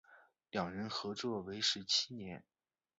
两人合作为时七年。